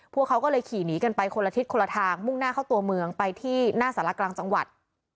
พวกเขาก็เลยขี่หนีกันไปคนละทิศคนละทางมุ่งหน้าเข้าตัวเมืองไปที่หน้าสารกลางจังหวัด